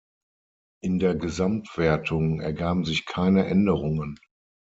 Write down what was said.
In der Gesamtwertung ergaben sich keine Änderungen.